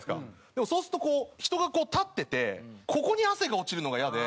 でもそうすると人がこう立っててここに汗が落ちるのがイヤで。